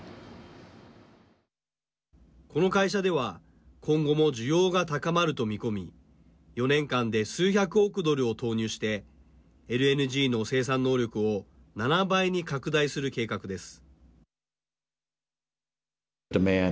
この会社では今後も需要が高まると見込み４年間で数百億ドルを投入してＬＮＧの生産能力を７倍に拡大する計画です。